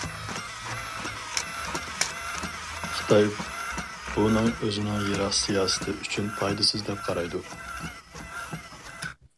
خىتاي بۇنىڭ ئۆزىنىڭ يىراق سىياسىتى ئۈچۈن پايدىسىز دەپ قارايدۇ.